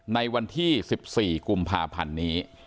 ในวันที่๑๔กุมภาพันธ์นี้